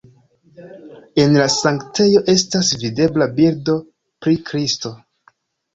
En la sanktejo estas videbla bildo pri Kristo.